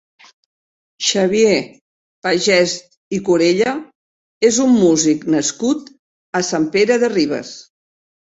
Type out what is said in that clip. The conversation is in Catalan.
Xavier Pagès i Corella és un músic nascut a Sant Pere de Ribes.